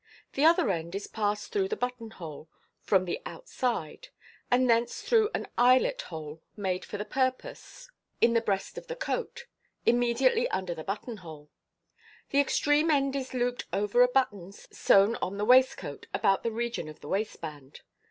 The other end is passed through the button hole (from the outside), and tnence through an eyelet hole made for the purpose in Ftg 246. MODERN MA QIC. 413 the breast of the coat, immediately under the buttonhole. The extreme end is looped over a button sewn on the waistcoat about the region of the waistband.